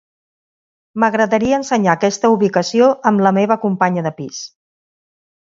M'agradaria ensenyar aquesta ubicació amb la meva companya de pis.